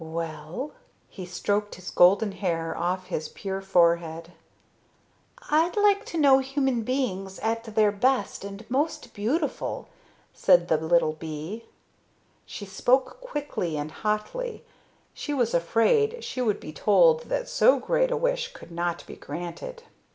"Well?" He stroked his golden hair off his pure forehead. "I'd like to know human beings at their best and most beautiful," said the little bee. She spoke quickly and hotly. She was afraid she would be told that so great a wish could not be granted.